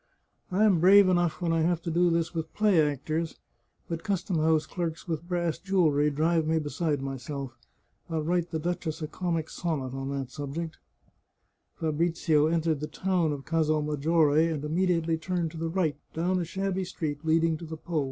I am brave enough when I have to do with play actors, but custom house clerks with brass jewellery drive me beside myself. I'll write the duchess a comic sonnet on that sub ject." Fabrizio entered the town of Casal Maggiore and imme diately turned to the right, down a shabby street leading to the Po.